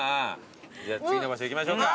じゃあ次の場所行きましょうか。